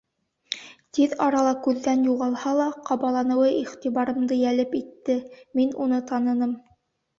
Тиҙ арала күҙҙән юғалһа ла, ҡабаланыуы иғтибарымды йәлеп итте, мин уны таныным.